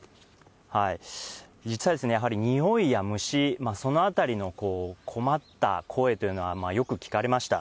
実際、やはり臭いや虫、そのあたりの困った声というのはよく聞かれました。